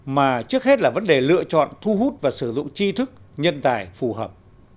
mà trước hết là vấn đề lựa chọn thu hút và sử dụng chi thức nhân tài phù hợp